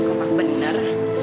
ini kompak bener ah